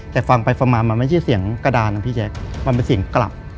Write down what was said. แต่ฟังไปฟังมามันไม่ใช่เสียงกระดานนะพี่แจ๊คมันเป็นเสียงกลับ